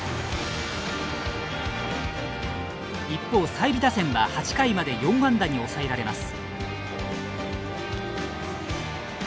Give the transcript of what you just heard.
一方済美打線は８回まで４安打に抑えられます。